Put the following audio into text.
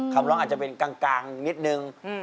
คำร้องอาจจะเป็นกลางนิดนึง